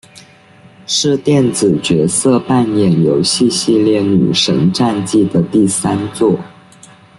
是电子角色扮演游戏系列女神战记的第三作。